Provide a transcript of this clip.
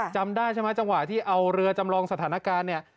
จำได้ใช่ไหมจังหวะที่เอาเรือจำลองสถานการณ์เนี่ย